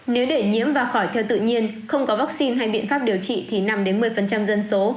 nếu để nhiễm và khỏi theo tự nhiên không có vaccine hay biện pháp điều trị thì năm một mươi dân số